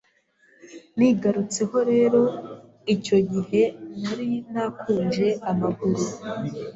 Nigarutseho rero icyo gihe nari nakunje amaguru